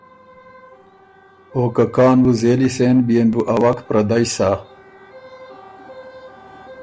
که کان بُو زېلی سېن بيې ن بُو ا وک پره دئ سۀ۔